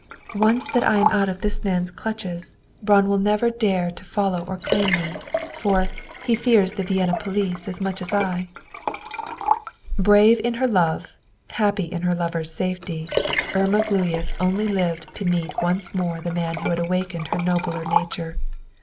Once that I am out of this man's clutches, Braun will never dare to follow or claim me. For, he fears the Vienna police as much as I." Brave in her love, happy in her lover's safety, Irma Gluyas only lived to meet once more the man who had awakened her nobler nature.